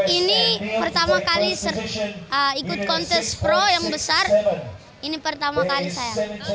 ini pertama kali ikut kontes pro yang besar ini pertama kali saya